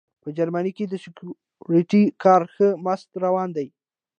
په جرمني کې د سیکیورټي کار ښه مست روان دی